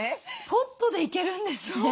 ポットでいけるんですね。